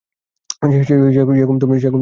সে হুকুম তুমি মানতে পারবে না জানি।